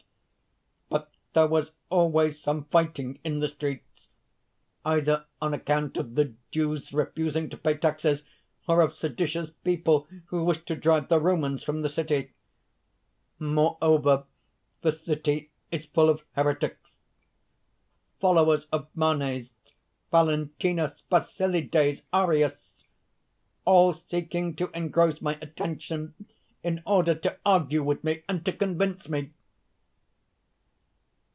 But there was always some fighting in the streets either on account of the Jews refusing to pay taxes, or of seditious people who wished to drive the Romans from the city. Moreover, the city is full of heretics followers of Manes; Valentinus, Basilides, Arius all seeking to engross my attention in order to argue with me and to convince me.